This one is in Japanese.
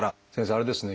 あれですね